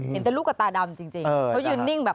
เห็นแต่ลูกกับตาดำจริงเขายืนนิ่งแบบ